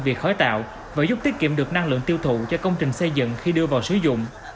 việc khói tạo và giúp tiết kiệm được năng lượng tiêu thụ cho công trình xây dựng khi đưa vào sử dụng